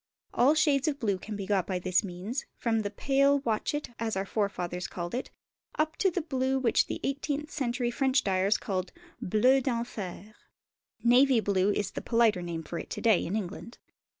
All shades of blue can be got by this means, from the pale "watchet," as our forefathers called it, up to the blue which the eighteenth century French dyers called "Bleu d'enfer." Navy Blue is the politer name for it to day in England.